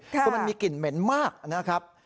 คือมันมีกลิ่นเหม็นมากนะครับ